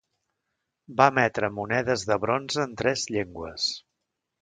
Va emetre monedes de bronze en tres llengües.